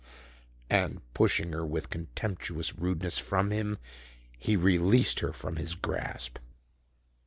And pushing her with contemptuous rudeness from him, he released her from his grasp.